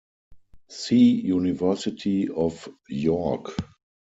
See University of York.